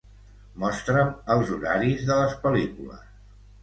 Mostra'm els horaris de les pel·lícules